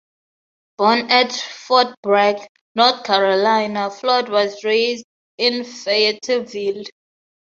Born at Fort Bragg, North Carolina, Floyd was raised in Fayetteville.